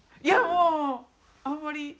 いやもうあんまり。